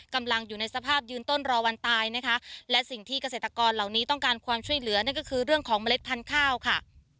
กำลังอยู่ในสภาพยืนต้นรอวันตายนะคะและสิ่งที่เกษตรกรเหล่านี้ต้องการความช่วยเหลือนั่นก็คือเรื่องของเมล็ดพันธุ์ข้าวค่ะ